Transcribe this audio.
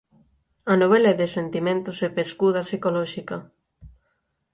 A novela é de sentimentos e pescuda psicolóxica.